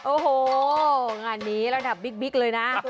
โอ้โหงานนี้ระดับบิ๊กเลยนะ